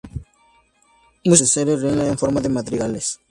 Musicó poemas de Cesare Rinaldi en forma de madrigales.